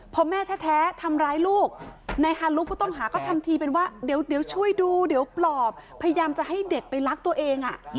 พอแม่แท้ทำร้ายลูกนายฮารุผู้ต้องหาก็ทำทีเป็นว่าเดี๋ยวช่วยดูเดี๋ยวปลอบพยายามจะให้เด็กไปรักตัวเอง